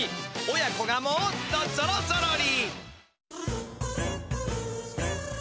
親子がもっとぞろぞろり！